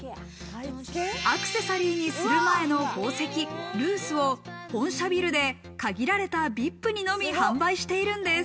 アクセサリーにする前の宝石、ルースを本社ビルで限られたＶＩＰにのみ販売しているんです。